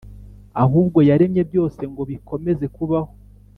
Ahubwo yaremye byose ngo bikomeze kubaho,